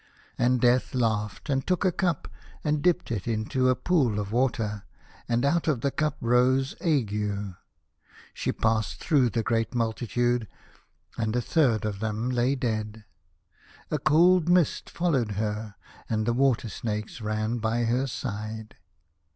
And Death laughed, and took a cup, and dipped it into a pool of water, and out of the cup rose Ague. She passed through the great multitude, and a third of them lay dead. A cold mist followed her, and the water snakes ran by her side.